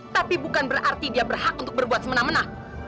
tapi bukan berarti dia berhak untuk berbuat semena mena